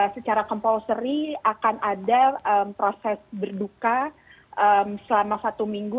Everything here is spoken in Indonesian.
secara composery akan ada proses berduka selama satu minggu